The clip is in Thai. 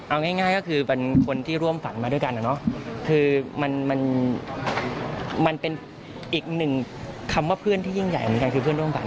เอาง่ายก็คือเป็นคนที่ร่วมฝันมาด้วยกันอะเนาะคือมันเป็นอีกหนึ่งคำว่าเพื่อนที่ยิ่งใหญ่เหมือนกันคือเพื่อนร่วมฝัน